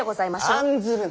案ずるな。